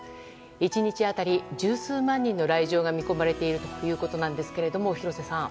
１日当たり十数万人の来場が見込まれているということなんですが、廣瀬さん。